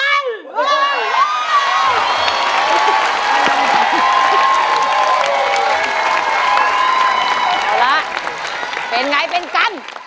เอาละเป็นไงเป็นกัน